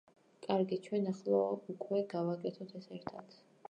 კარგით, ჩვენ ახლა უკვე გავაკეთოთ ეს ერთად.